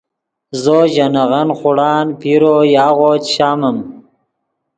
زو ژے نغن خوڑان پیرو یاغو چے شامم